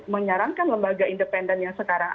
menyarankan lembaga independen yang sekarang